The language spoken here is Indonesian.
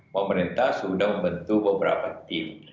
pemerintah sudah membentuk beberapa tim